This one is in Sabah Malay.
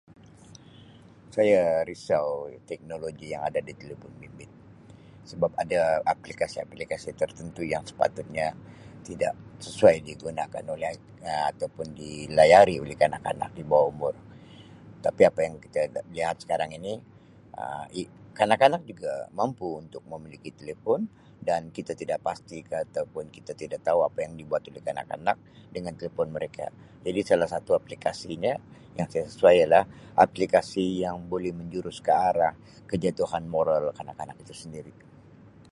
Saya risau teknologi yang ada di telefon bimbit sebab ada aplikasi aplikasi tertentu yang sepatutnya tidak sesuai digunakan oleh ataupun di layari oleh kanak-kanak di bawah umur tapi apa yang kita lihat sekarang ini[Um] kanak-kanak juga mampu untuk memiliki telefon dan kita tidak pasti kah kita tidak tahu apa yang dibuat oleh kanak-kanak dengan telefon mereka jadi salah satu aplikasinya yang sesuai ialah aplikasi yang boleh menjurus ke arah kejatuhan moral kanak-kanak itu sendiri.